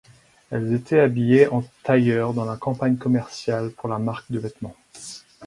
Elles étaient habillées en tailleur dans la campagne commerciale pour la marque de vêtements.